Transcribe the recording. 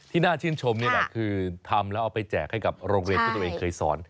น่าชื่นชมนี่แหละคือทำแล้วเอาไปแจกให้กับโรงเรียนที่ตัวเองเคยสอน